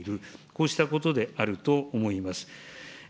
こうしたことであると思います。